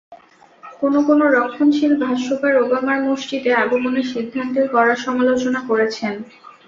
কোনো কোনো রক্ষণশীল ভাষ্যকার ওবামার মসজিদে আগমনের সিদ্ধান্তের কড়া সমালোচনা করেছেন।